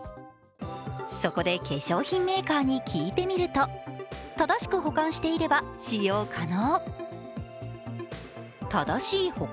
そこで化粧品メーカーに聞いてみると、正しく保管していれば使用可能。